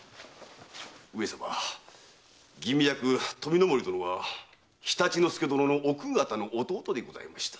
上様吟味役・富森殿は常陸介殿の奥方の弟でございました。